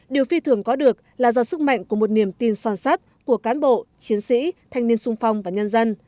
điều phi thường có được là do sức mạnh của một niềm tin son sắt của cán bộ chiến sĩ thanh niên sung phong và nhân dân